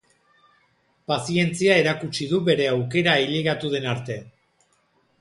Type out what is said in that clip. Pazientzia erakutsi du bere aukera ailegatu den arte.